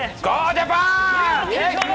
ジャパン！